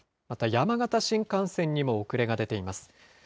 また山形新幹線にも遅れが出ています。